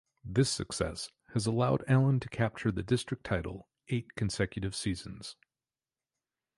This success has allowed Allen to capture the District Title eight consecutive seasons.